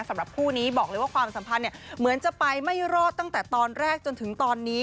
สำหรับคู่นี้บอกเลยว่าความสัมพันธ์เหมือนจะไปไม่รอดตั้งแต่ตอนแรกจนถึงตอนนี้